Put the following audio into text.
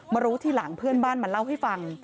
รู้ทีหลังเพื่อนบ้านมาเล่าให้ฟัง